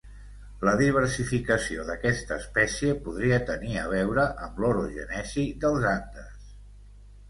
La diversificació d'aquesta espècie podria tenir a veure amb l'orogènesi dels Andes.